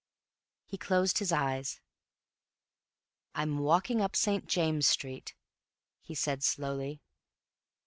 He closed his eyes. "I'm walking up St. James' Street," he said slowly.